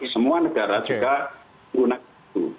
semua negara juga menggunakan itu